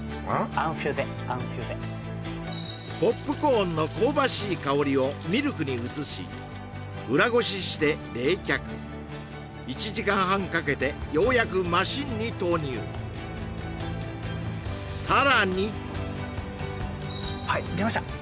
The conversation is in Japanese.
アンフュゼアンフュゼポップコーンの香ばしい香りをミルクに移し裏ごしして冷却１時間半かけてようやくマシンに投入さらにはい出ました！